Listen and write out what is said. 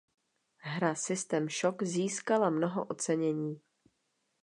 Hra System Shock získala mnoho ocenění.